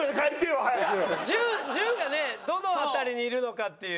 潤がねどの辺りにいるのかっていう。